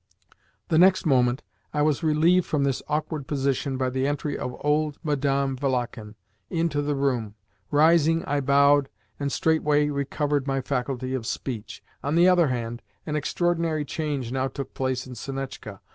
The next moment, I was relieved from this awkward position by the entry of old Madame Valakhin into the room. Rising, I bowed, and straightway recovered my faculty of speech. On the other hand, an extraordinary change now took place in Sonetchka.